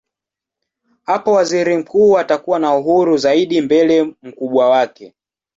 Hapo waziri mkuu atakuwa na uhuru zaidi mbele mkubwa wake.